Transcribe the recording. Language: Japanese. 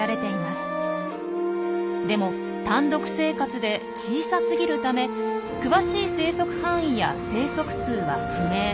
でも単独生活で小さすぎるため詳しい生息範囲や生息数は不明。